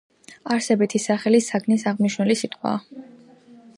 არსებითი სახელი საგნის აღმნიშვნელი სიტყვაა.